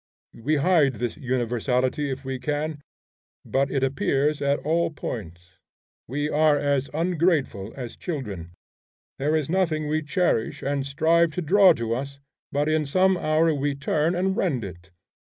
We hide this universality if we can, but it appears at all points. We are as ungrateful as children. There is nothing we cherish and strive to draw to us but in some hour we turn and rend it.